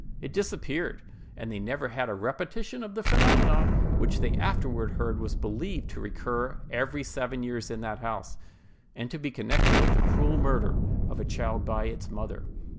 It disappeared, and they never had a repetition of the phenomenon, which they afterward heard was believed to recur every seven years in that house, and to be connected with the cruel murder of a child by its mother.